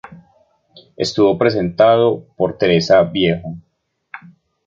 Estuvo presentado por Teresa Viejo.